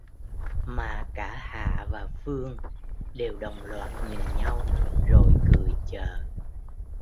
Mà cả Hạ và Phương đều đồng loạt nhìn nhau rồi cười chờ